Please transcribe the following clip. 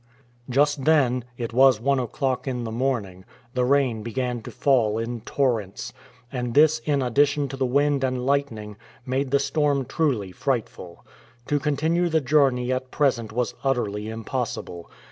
Just then it was one o'clock in the morning the rain began to fall in torrents, and this in addition to the wind and lightning, made the storm truly frightful. To continue the journey at present was utterly impossible.